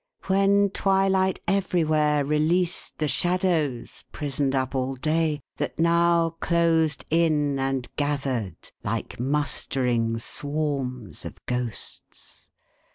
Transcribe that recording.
When twilight everywhere released the shadows, prisoned up all day, that now closed in and gathered like mustering swarms of ghosts.